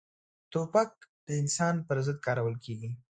توپک د انسان پر ضد کارول کېږي.